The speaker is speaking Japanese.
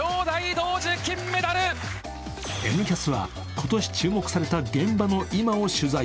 「Ｎキャス」は今年注目された現場の今を取材。